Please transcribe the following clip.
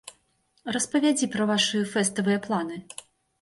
Распавядзі пра вашы фэставыя планы.